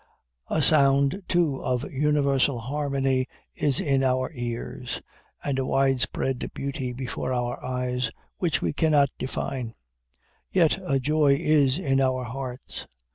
A sound, too, of universal harmony is in our ears, and a wide spread beauty before our eyes, which we cannot define; yet a joy is in our hearts.